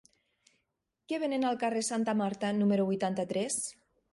Què venen al carrer de Santa Marta número vuitanta-tres?